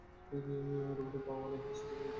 রোবটের পা ওয়ালা একটা সাইবর্গ নিয়ে চলে এসেছ আমার বাসায়?